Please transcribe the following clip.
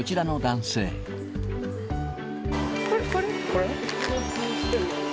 これ？